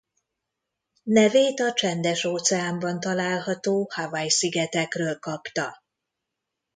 Nevét a Csendes-óceánban található Hawaii-szigetekről kapta.